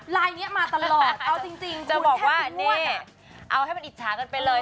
ไลน์เนี้ยมาตลอดเอาจริงคุณแค่คุณมั่วจะบอกว่าเน่เอาให้มันอิจฉากันไปเลย